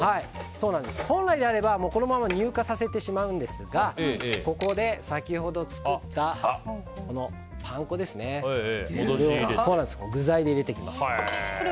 本来であれば、このまま乳化させてしまうんですがここで先ほど作ったパン粉を具材で入れていきます。